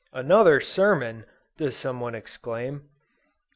Another sermon! does some one exclaim?